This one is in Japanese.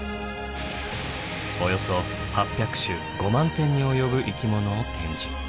およそ８００種５万点に及ぶ生き物を展示。